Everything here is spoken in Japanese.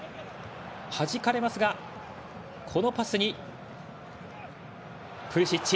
はじかれますがこのパスにプリシッチ！